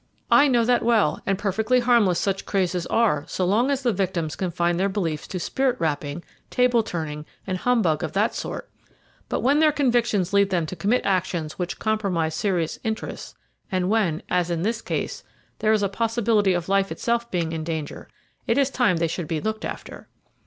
"I know that well, and perfectly harmless such crazes are so long as the victims confine their beliefs to spirit rapping, table turning, and humbug of that sort; but when their convictions lead them to commit actions which compromise serious interests, and when, as in this case, there is a possibility of life itself being in danger, it is time they should be looked after."